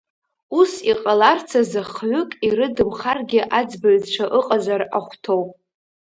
Ус иҟаларц азы хҩык ирыдымхаргьы аӡбаҩцәа ыҟазар ахәҭоуп.